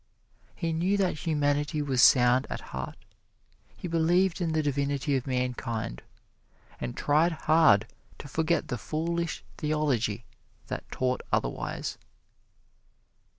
He knew that humanity was sound at heart; he believed in the divinity of mankind, and tried hard to forget the foolish theology that taught otherwise.